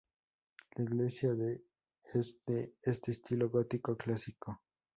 La iglesia es de estilo gótico clásico.